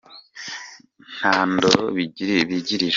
Nta ndoro bigirira.